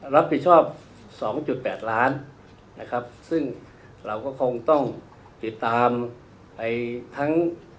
รับผิดชอบ๒๘๔ล้านนะซึ่งเราก็คงต้องติดตามไปทั้ง๔